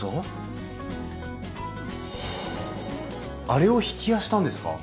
あれを曳家したんですか！？